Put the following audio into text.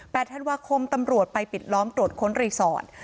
ธันวาคมตำรวจไปปิดล้อมตรวจค้นรีสอร์ท